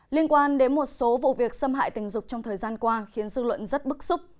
liên quan đến một số vụ việc xâm hại tình dục trong thời gian qua khiến dư luận rất bức xúc